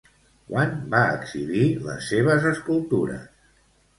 Quan va exhibir les seves escultures?